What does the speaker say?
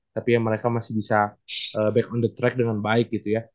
tapi ya mereka masih bisa back on the track dengan baik gitu ya